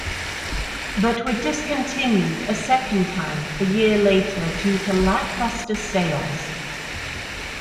But were discontinued a second time a year later due to lackluster sales.